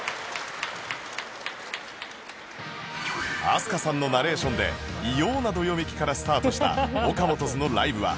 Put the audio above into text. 飛鳥さんのナレーションで異様などよめきからスタートした ＯＫＡＭＯＴＯ’Ｓ のライブは